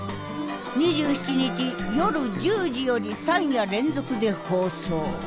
２７日夜１０時より３夜連続で放送。